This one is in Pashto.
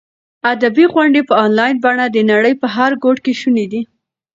ادبي غونډې په انلاین بڼه د نړۍ په هر ګوټ کې شونې دي.